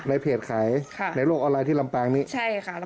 ในเพจขายค่ะในโลกออนไลน์ที่ลำปางนี้ใช่ค่ะ